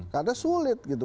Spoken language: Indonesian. karena sulit gitu